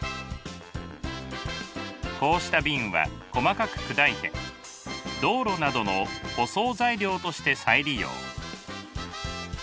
こうした瓶は細かく砕いて道路などの舗装材料として再利用。